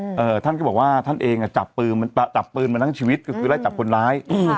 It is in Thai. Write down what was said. เอ่อท่านก็บอกว่าท่านเองอ่ะจับปืนมันจับปืนมาทั้งชีวิตก็คือไล่จับคนร้ายอืม